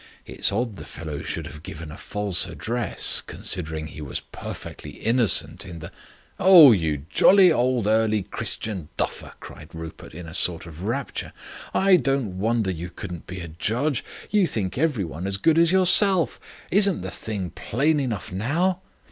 "It's odd the fellow should have given a false address, considering he was perfectly innocent in the " "Oh, you jolly old early Christian duffer," cried Rupert, in a sort of rapture, "I don't wonder you couldn't be a judge. You think every one as good as yourself. Isn't the thing plain enough now?